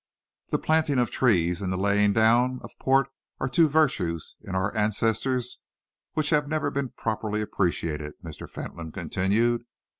"The planting of trees and the laying down of port are two virtues in our ancestors which have never been properly appreciated," Mr. Fentolin continued.